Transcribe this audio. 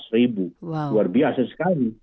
enam belas ribu luar biasa sekali